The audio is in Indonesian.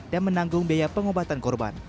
dan menanggung biaya pengobatan korban